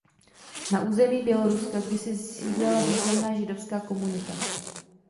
Na území Běloruska kdysi sídlila významná židovská komunita.